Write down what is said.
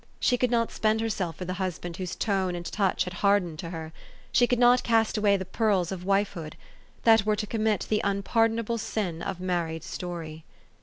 She could not spend herself for the husband whose tone and touch had hardened to her. She could not cast away the pearls of wifehood : that were to commit the unpar donable sin of married story.